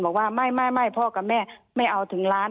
บอกว่าไม่พ่อกับแม่ไม่เอาถึงล้าน